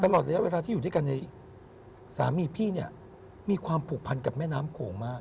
ตลอดระยะเวลาที่อยู่ด้วยกันในสามีพี่เนี่ยมีความผูกพันกับแม่น้ำโขงมาก